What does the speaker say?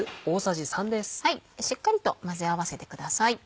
しっかりと混ぜ合わせてください。